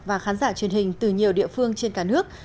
và khán giả truyền hình từ nhiều địa phương trên cả nước